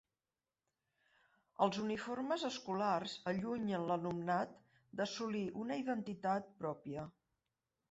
Els uniformes escolars allunyen l'alumnat d'assolir una identitat pròpia.